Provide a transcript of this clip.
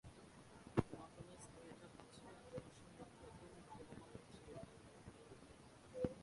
Nataraj theatre হচ্ছে অসমের প্রথম ভ্রাম্যমাণ থিয়েটার।